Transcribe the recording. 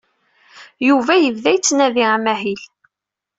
Yuba yebda yettnadi amahil.